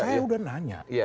saya sudah nanya